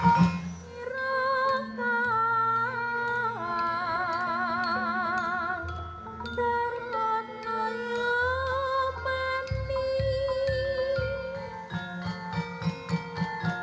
jika mendapat karunia anak maka anak terakhir mereka akan menjadi berat